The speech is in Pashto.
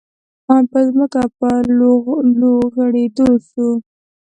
آن په ځمکه په لوغړېدو شو.